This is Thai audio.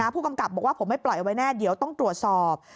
ผู้กำกับบอกว่าผมไม่ปล่อยไว้แน่เดี๋ยวต้องตรวจสอบ